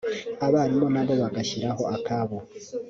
abarimu na bo bagashyiraho akabo